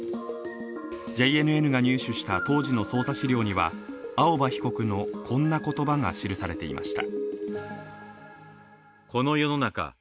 ＪＮＮが入手した当時の捜査資料には、青葉被告のこんな言葉が記されていました。